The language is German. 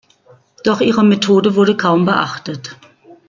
Doch ihre Methode wurde kaum beachtet.